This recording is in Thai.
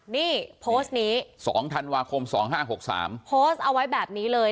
นี่โพสต์นี้สองธันวาคมสองห้าหกสามโพสต์เอาไว้แบบนี้เลย